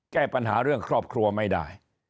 แก้ปัญหาเรื่องครอบครัวไม่ได้